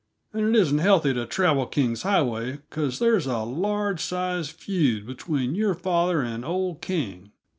And it isn't healthy to travel King's Highway, because there's a large sized feud between your father and old King.